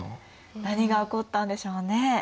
何が起こったんでしょうね。